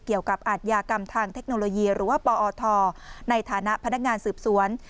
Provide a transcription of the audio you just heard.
อาทยากรรมทางเทคโนโลยีหรือว่าปอทในฐานะพนักงานสืบสวน